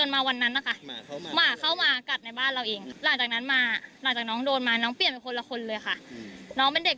ไม่เอาอะไรเลย